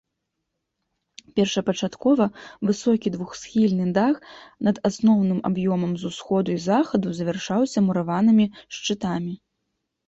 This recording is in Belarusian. Першапачаткова высокі двухсхільны дах над асноўным аб'ёмам з усходу і захаду завяршаўся мураванымі шчытамі.